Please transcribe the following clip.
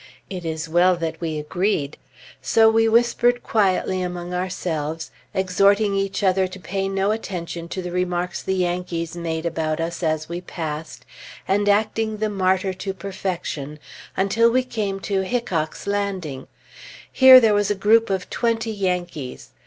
It is well that we agreed. So we whispered quietly among ourselves, exhorting each other to pay no attention to the remarks the Yankees made about us as we passed, and acting the martyr to perfection, until we came to Hickock's Landing. Here there was a group of twenty Yankees.